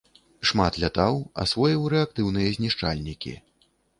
Шмат лятаў, асвоіў рэактыўныя знішчальнікі.